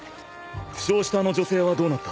負傷したあの女性はどうなった？